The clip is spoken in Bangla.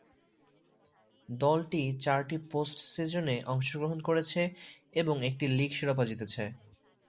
দলটি চারটি পোস্ট সিজনে অংশগ্রহণ করেছে এবং একটি লীগ শিরোপা জিতেছে।